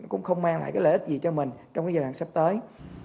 cũng không mang lại cái lợi ích gì cho mình trong cái giai đoạn sắp tới